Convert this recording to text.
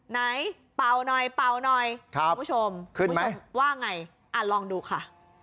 ไหนเปล่าหน่อยเปล่าหน่อยครับคุณผู้ชมขึ้นไหมว่าไงอ่ะลองดูค่ะ